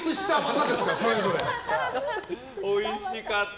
おいしかった。